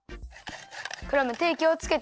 クラムてきをつけてね。